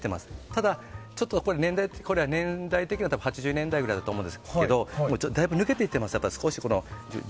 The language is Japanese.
ただ、ちょっと年代的には８０年代くらいだと思いますがだいぶ抜けていってます。